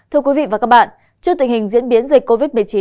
thưa quý vị và các bạn trước tình hình diễn biến dịch covid một mươi chín